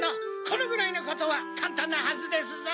このぐらいのことはかんたんなはずですぞ！